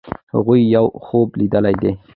هغې یو خوب لیدلی دی.